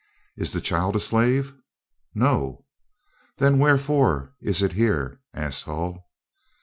"Is the child a slave?" "No." "Then wherefore is it here?" asked Hull.